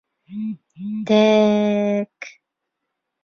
Тә-әк.